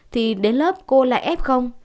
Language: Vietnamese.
thì đến lớp cô lại ép không